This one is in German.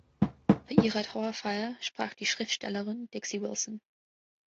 Bei ihrer Trauerfeier sprach die Schriftstellerin Dixie Willson.